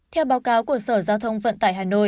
theo báo cáo của sở giao thông vận tải hà nội